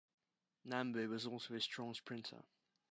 Nambu was also a strong sprinter.